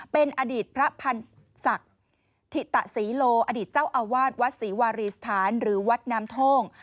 เป็นอดีตพระพันธ์ศักดิ์ถิตศรีโลอดีตเจ้าอาวาสวัดศรีวารีสถานหรือวัดน้ำโท่ง